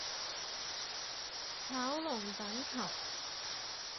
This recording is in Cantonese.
炒龍躉球